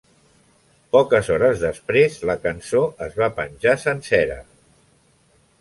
Poques hores després, la cançó es va penjar sencera.